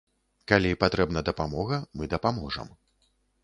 Калі патрэбна дапамога, мы дапаможам.